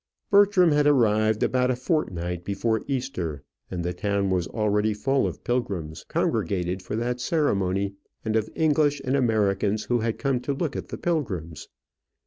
Bertram had arrived about a fortnight before Easter, and the town was already full of pilgrims, congregated for that ceremony, and of English and Americans who had come to look at the pilgrims.